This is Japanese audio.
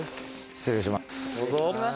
失礼します。